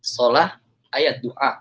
sholat ayat dua